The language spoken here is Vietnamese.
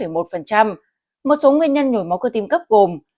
một số nguyên nhân nổi máu cơ tim cấp gồm